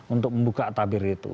untuk membuka tabir itu